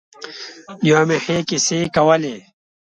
نیا مې ښه کیسې کولې.